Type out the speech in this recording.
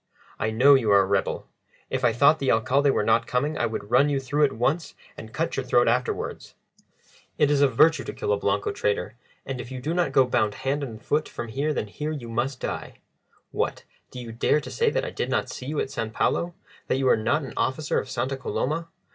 "I know you are a rebel. If I thought the Alcalde were not coming I would run you through at once and cut your throat afterwards. It is a virtue to kill a Blanco traitor, and if you do not go bound hand and foot from here then here you must die. What, do you dare to say that I did not see you at San Paulo that you are not an officer of Santa Coloma?